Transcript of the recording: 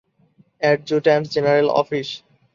Adjutant general office.